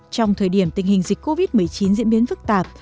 trong thời điểm tình hình dịch covid một mươi chín diễn biến phức tạp